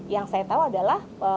yang saya tahu adalah